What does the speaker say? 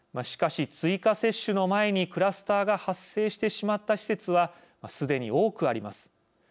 しかし、追加接種の前にクラスターが発生してしまった施設はすでに多くあります。